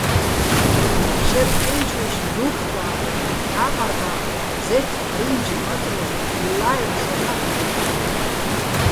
შეჲრ ყე́ნჩუჲშნ დუ́ფხო̆ და́ჰ̦ორ, და́ყარ დაჰ̦ორ, ზეთ, ბრინჯ, მაწროლ, ვილლა́ერ, შარნაჸ ვო́ტურ.